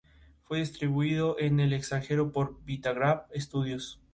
Fue distribuido en el extranjero por Vitagraph Estudios.